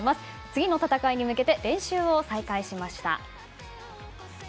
次の戦いに向けて練習を再開しました。